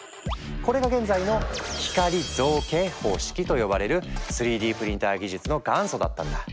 これが現在の「光造形方式」と呼ばれる３Ｄプリンター技術の元祖だったんだ。